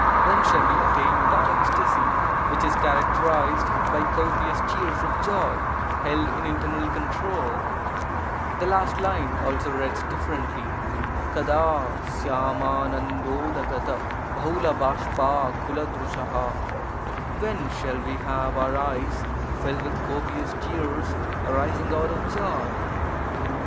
when shall we attain that ecstasy which is characterized by copious tears of joy held in internal control! [The last line also reads differently— ^T WIHM <X J ld ^IcWWTJcT^TT: — 'When shall we have our eyes filled with copious tears arising out of joy?'